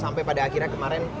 sampai pada akhirnya kemarin